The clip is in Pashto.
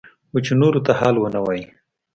خو چې نورو ته حال ونه وايي.